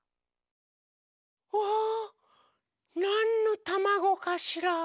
うわなんのたまごかしら？